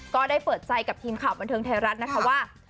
ก็ได้เปิดใจกับทีมข่าวบันเทิงไทยรัฐนะคะว่า